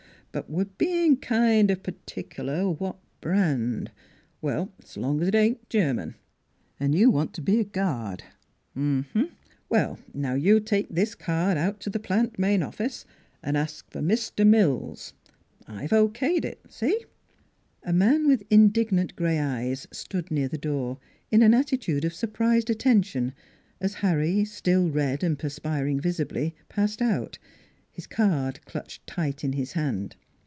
But we're bein' kind of particular what brand. .,.. Well, s' long as it ain't Ger man. ... An' you want to be a guard? Uh huh. ... Well, now you take this card out to the plant, main office, an' ask for Mr. Mills. I've O.K'd it. ... See!" A man with indignant gray eyes stood near the door, in an attitude of surprised attention, as Harry, still red and perspiring visibly, passed out, his card clutched tight in his hand.